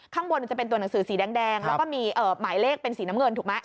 ข้างบนจะเป็นตัวหนังสือสีแดงแล้วก็มีหมายเลขเป็นสีน้ำเงินถูกไหม